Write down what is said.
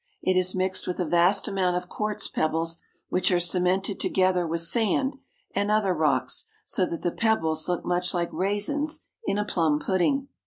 It is mixed with a vast amount of quartz pebbles which are cemented together with sand and other rocks, so that the pebbles look much like raisins in a plum pudding.